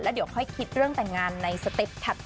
แล้วเดี๋ยวค่อยคิดเรื่องแต่งงานในขั้นประหลาด